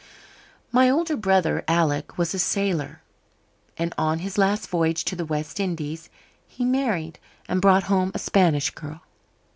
"My older brother, Alec, was a sailor, and on his last voyage to the West Indies he married and brought home a Spanish girl.